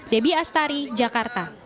debbie astari jakarta